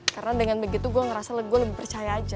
karena dengan begitu gue ngerasa gue lebih percaya aja